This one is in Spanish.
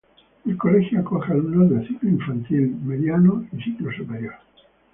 El colegio acoge alumnos de ciclo infantil, ciclo mediano y ciclo superior.